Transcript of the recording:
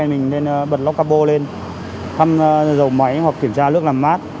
mình nên bật lóc capo lên thăm dầu máy hoặc kiểm tra nước làm mát